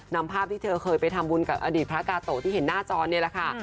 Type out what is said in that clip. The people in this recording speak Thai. นำภาพที่เธอเคยไปทำบุญกับอดีตพระกาโตะที่เห็นหน้าจอนี่แหละค่ะ